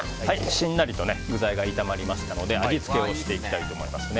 しんなりと具材が炒まりましたので味付けをしていきたいと思います。